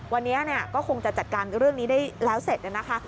วันนี้ก็คงจะจัดการเรื่องนี้ได้แล้วเสร็จนะคะ